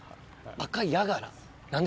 アカヤガラ？